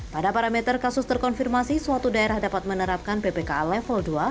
pada parameter kasus terkonfirmasi suatu daerah dapat menerapkan ppk level dua